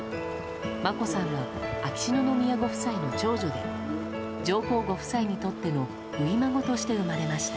眞子さんが秋篠宮ご夫妻の長女で上皇ご夫妻にとっての初孫として生まれました。